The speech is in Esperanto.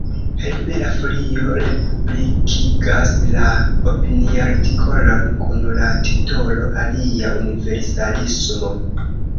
Libera Folio republikigas la opiniartikolon kun la titolo "Alia universalismo".